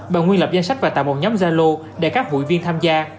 bà nguyên lập danh sách và tạo một nhóm gia lô để các hội viên tham gia